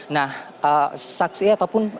nah saksi ataupun